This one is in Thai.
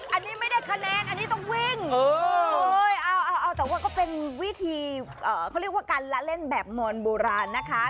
อันนี้ไม่ได้คะแนนอันนี้ต้องวิ่งเอาแต่ว่าก็เป็นวิธีเขาเรียกว่าการละเล่นแบบมวลโบราณนะคะ